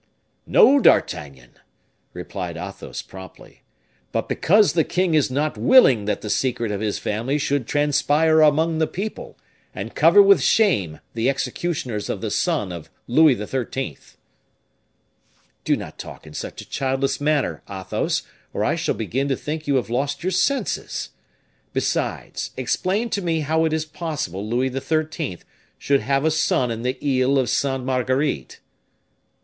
"No, D'Artagnan," replied Athos, promptly; "but because the king is not willing that the secret of his family should transpire among the people, and cover with shame the executioners of the son of Louis XIII." "Do not talk in such a childish manner, Athos, or I shall begin to think you have lost your senses. Besides, explain to me how it is possible Louis XIII. should have a son in the Isle of Sainte Marguerite."